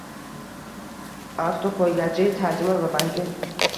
Avtopoygachi, tarjimon va bankir